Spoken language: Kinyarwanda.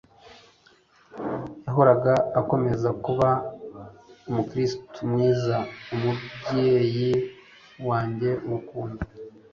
yahoraga akomeza kuba umukristo mwiza, umubyeyi wuje urukundo